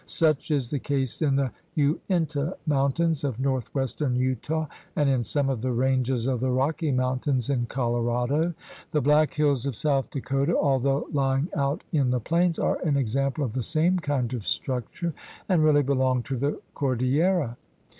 Such is the case in the Uinta Mountains of northwestern Utah and in some of the ranges of the Rocky Mountains in Colorado. The Black Hills of South Dakota, although lying out in the plains, are an example of the same kind of structure and really belong to the cordillera.